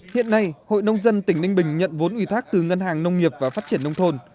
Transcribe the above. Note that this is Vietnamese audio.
hiện nay hội nông dân tỉnh ninh bình nhận vốn ủy thác từ ngân hàng nông nghiệp và phát triển nông thôn